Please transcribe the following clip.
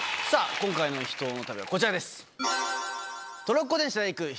今回の「秘湯の旅」はこちらです。